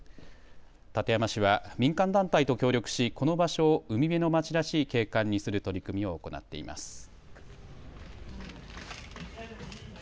館山市は民間団体と協力しこの場所を海辺の町らしい景観にする取り組みを行っています。